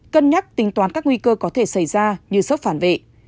cân nhắc tính toán các nguy cơ có thể xảy ra như sốc phản vệ